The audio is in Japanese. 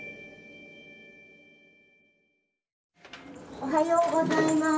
おはようございます。